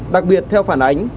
đặc biệt theo phản ánh